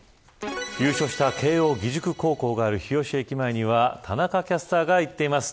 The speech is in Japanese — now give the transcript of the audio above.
優勝した慶応義塾高校がある日吉駅前には田中キャスターが行っています。